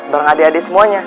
dengan adik adik semuanya